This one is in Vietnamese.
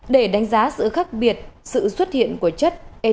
để đánh giá sự khác biệt sự xuất hiện của chất at